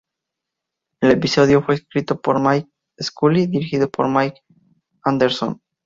El episodio fue escrito por Mike Scully y dirigido por Mike B. Anderson.